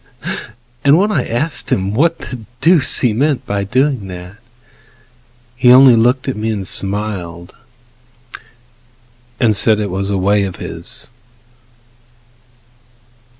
And when I asked him what the deuce he meant By doing that, he only looked at me And grinned, and said it was a way of his.